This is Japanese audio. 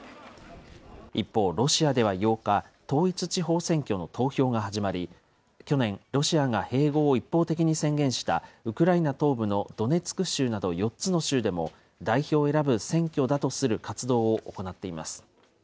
一方、ロシアでは８日、統一地方選挙の投票が始まり、去年、ロシアが併合を一方的に宣言したウクライナ東部のドネツク州など４つの州でも、代表を選ぶ選挙だとする活動を行っています。